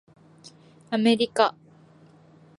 アメリカ